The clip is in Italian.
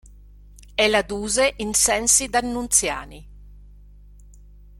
È la Duse in Sensi Dannunziani.